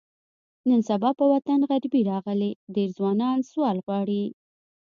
نن سبا په وطن غریبي راغلې، ډېری ځوانان سوال غواړي.